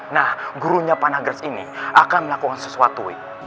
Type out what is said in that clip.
nah gurunya panagraj ini akan melakukan sesuatu wi